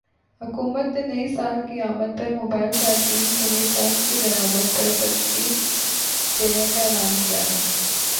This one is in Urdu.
حکومت نے نئی سال کی آمد پر موبائل صارفین کے لیے فونز کی درآمد پرسبسڈی دینے کا اعلان کیا ہے